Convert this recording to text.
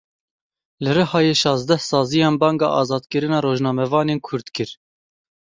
Li Rihayê şazdeh saziyan banga azadkirina rojnamevanên Kurd kir.